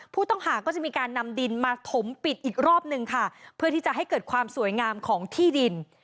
ผู้ต้องหาก็จะมีการนำดินมาถมปิดอีกรอบหนึ่งค่ะเพื่อที่จะให้เกิดความสวยงามของที่ดิน